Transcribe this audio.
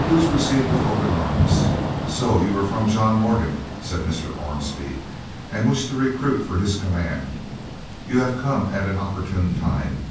He was received with open arms. "So you are from John Morgan," said Mr. Ormsby, "and wish to recruit for his command. You have come at an opportune time.